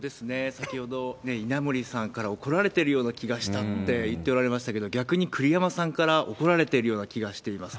先ほど、稲盛さんから怒られてるような気がしたって言っておられましたけれども、逆に栗山さんから怒られているような気がしています。